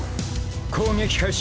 攻撃開始。